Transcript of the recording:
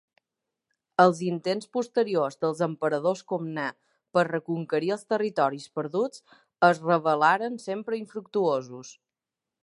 Els intents posteriors dels emperadors Comnè per reconquerir els territoris perduts es revelaran sempre infructuosos.